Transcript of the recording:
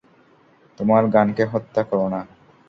তোমার গানকে হত্যা কর না।